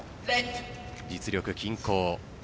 実力、均衡。